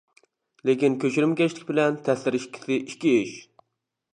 لېكىن كۆچۈرمىكەشلىك بىلەن تەسىر ئىككىسى ئىككى ئىش.